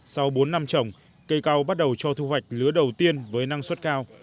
sau bốn năm trồng cây cao bắt đầu cho thu hoạch lứa đầu tiên với năng suất cao